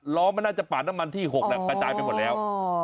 ล้อมันน่าจะปาดน้ำมันที่๖แหละกระจายไปหมดแล้ว